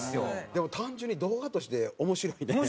でも単純に動画として面白いね。